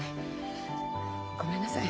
ごめんなさい。